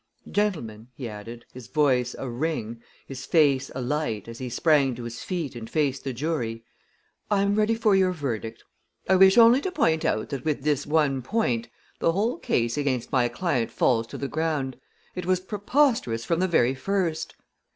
"Gentlemen," he added, his voice a ring, his face alight, as he sprang to his feet and faced the jury, "I'm ready for your verdict. I wish only to point out that with this one point, the whole case against my client falls to the ground! It was preposterous from the very first!"